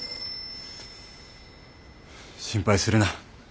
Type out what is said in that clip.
心配するな。